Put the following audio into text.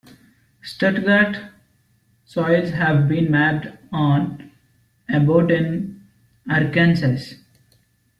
Stuttgart soils have been mapped on about in Arkansas.